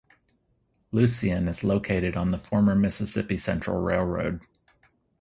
Lucien is located on the former Mississippi Central Railroad.